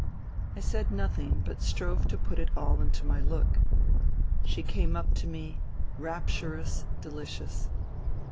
I said nothing, but strove to put it all into my look. She came up to me, rapturous, delicious.